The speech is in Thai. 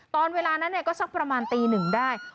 ตอนเวลานั้นก็สักประมาณตีหนึ่งได้